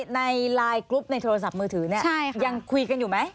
ในไลน์กรุ๊ปในโทรศัพท์มือถือเนี่ยยังคุยกันอยู่ไหม